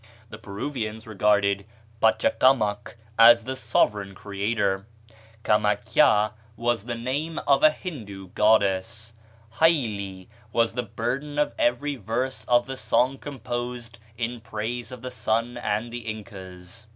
The Peruvians regarded Pachacamac as the sovereign creator. Camac Hya was the name of a Hindoo goddess. Haylli was the burden of every verse of the song composed in praise of the sun and the Incas.